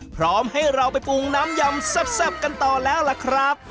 พร้อมให้เราไปปรุงน้ำยำแซ่บกันต่อแล้วล่ะครับ